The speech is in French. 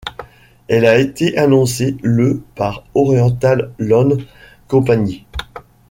Elle a été annoncée le par Oriental Land Company.